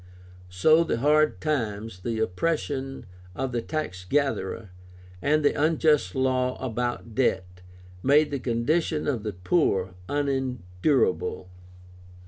So the hard times, the oppression of the tax gatherer, and the unjust law about debt, made the condition of the poor unendurable.